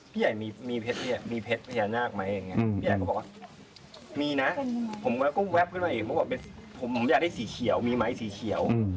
พี่ใหญ่มีเพชรพญานาคไหมพี่ใหญ่ก็บอกว่ามีนะผมก็แว๊บขึ้นมาอีกผมอยากได้สีเขียวมีไหมสีเขียว